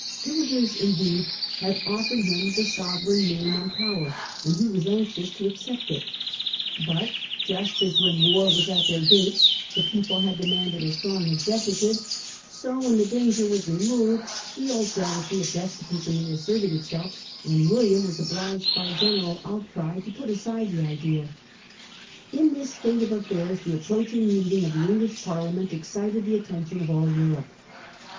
Guelders indeed had offered him the sovereign name and power, and he was anxious to accept it. But, just as when war was at 234 Louis : William : Charles ; Parliament \ 1675. their gates the people had demanded a strong executive, so, when the danger was removed, the old jealousy of despotism reasserted itself, and V^/illiam was obliged by the general outcry to put aside the idea. In this state of affairs the approaching meeting of the English Parliament excited the attention of all Europe.